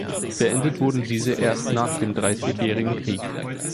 Beendet wurden diese erst nach dem Dreißigjährigen Krieg.